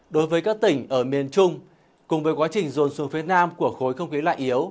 đối với các tỉnh ở miền trung cùng với quá trình dồn xuống phía nam của khối không khí lạnh yếu